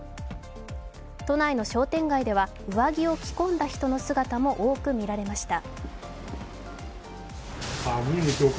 都内の商店街では上着を着込んだ人の姿も多く見られました。